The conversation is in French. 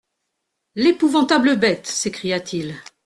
«L'épouvantable bête !» s'écria-t-il.